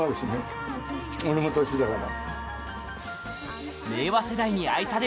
俺も年だから。